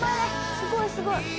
すごいすごい。